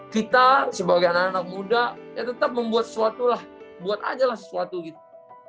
kita sebagai anak anak muda ya tetap membuat sesuatu lah buat aja lah sesuatu gitu